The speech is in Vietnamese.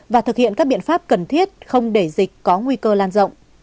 và thực hiện các biện pháp cần thiết không để dịch có nguy cơ lan rộng